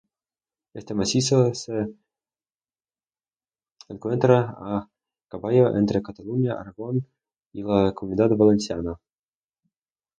Este macizo se encuentra a caballo entre Cataluña, Aragón y la Comunidad Valenciana.